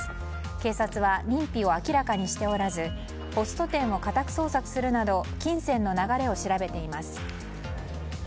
警察は認否を明らかにしておらずホスト店を家宅捜索するなど金銭の流れを調べています。